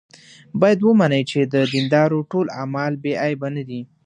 باید ومني چې د دیندارو ټول اعمال بې عیبه نه دي.